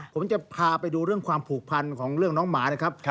ผมจะพาไปดูเรื่องความผูกพันของเรื่องน้องหมานะครับ